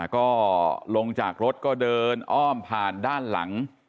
ก็ลงจากรถก็เดินอ้อมผ่านด้านหลัง